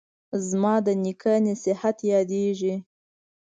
زما د نیکه نصیحت یادیږي